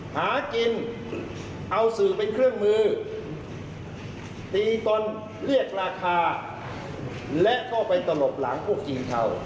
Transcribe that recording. หากินเอาสื่อเป็นเครื่องมือตีตนเรียกราคาและเข้าไปตลบหลังพวกจีนเทา